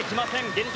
現状